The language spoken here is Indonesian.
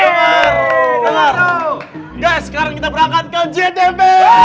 guys sekarang kita berangkat ke gtv